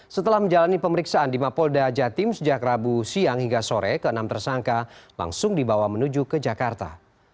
setelah menjalani pemeriksaan di mapolda jatim sejak rabu siang hingga sore ke enam tersangka langsung dibawa menuju ke jakarta